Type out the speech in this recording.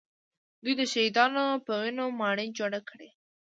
دوی د شهیدانو په وینو ماڼۍ جوړې کړې